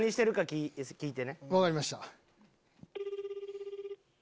分かりました。